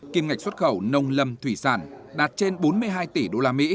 kim ngạch xuất khẩu nông lâm thủy sản đạt trên bốn mươi hai tỷ usd